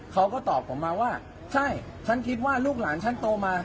เขาก็ตอบผมมาว่าใช่ฉันคิดว่าลูกหลานฉันโตมา